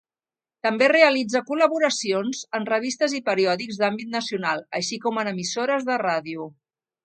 També realitza col·laboracions en revistes i periòdics d'àmbit nacional, així com en emissores de ràdio.